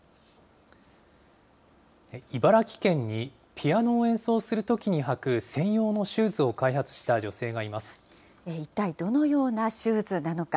茨城県にピアノを演奏するときに履く専用のシューズを開発し一体どのようなシューズなのか。